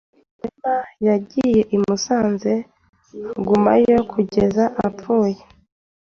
Rwema yagiye i Musanze agumayo kugeza apfuye.